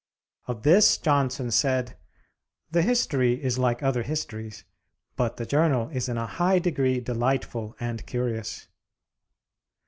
Of this Johnson said, "The history is like other histories, but the journal is in a high degree delightful and curious."